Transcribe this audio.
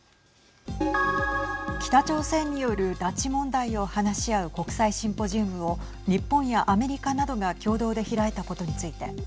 北朝鮮による拉致問題を話し合う国際シンポジウムを日本やアメリカなどが共同で開いたことについて。